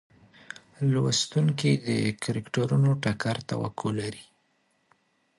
لوستونکي د کرکټرونو ټکر توقع لري.